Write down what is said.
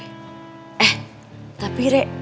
eh tapi rek